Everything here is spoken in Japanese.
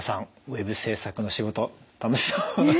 ウェブ制作の仕事楽しそうでしたね。